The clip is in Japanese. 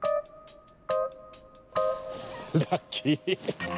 ラッキー。